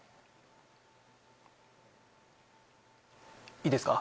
いいですか？